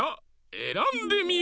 えらんでみよ！